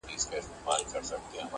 چې هغه خوب لیدل جاري وساتم